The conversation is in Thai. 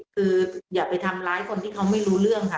คืออย่าไปทำร้ายคนที่เขาไม่รู้เรื่องค่ะ